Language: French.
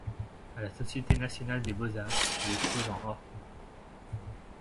À la société nationale des beaux-arts, il expose en hors-concours.